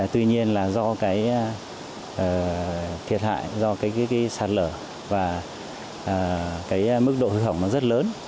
tuy nhiên là do thiệt hại do sạt lở và mức độ hư hỏng rất lớn